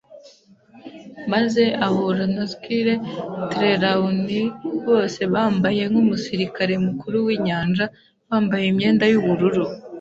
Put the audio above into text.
maze ahura na Squire Trelawney, bose bambaye nkumusirikare mukuru winyanja, bambaye imyenda yubururu,